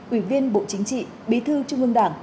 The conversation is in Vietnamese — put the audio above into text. ủy viên bộ chính trị bí thư trung ương đảng